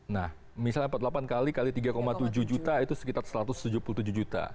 nah misalnya empat puluh delapan kali kali tiga tujuh juta itu sekitar satu ratus tujuh puluh tujuh juta